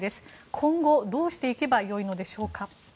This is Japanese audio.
今後、どうしていけば良いのでしょうか。